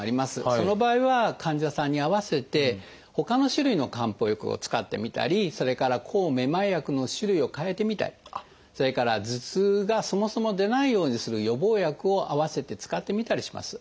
その場合は患者さんに合わせてほかの種類の漢方薬を使ってみたりそれから抗めまい薬の種類をかえてみたりそれから頭痛がそもそも出ないようにする予防薬を併せて使ってみたりします。